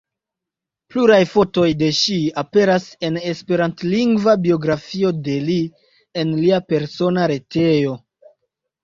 Pluraj fotoj de ŝi aperas en esperantlingva biografio de li en lia persona retejo.